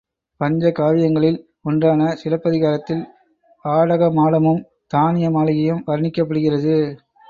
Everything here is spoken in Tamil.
பஞ்ச காவியங்களில் ஒன்றான சிலப்பதிகாரத்தில் ஆடகமாடமும், தானிய மாளிகையும் வர்ணிக்கப்படுகிறது.